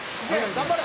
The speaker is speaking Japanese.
頑張れ！」